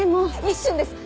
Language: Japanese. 一瞬です。